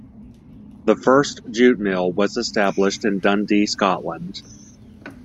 The first jute mill was established in Dundee, Scotland.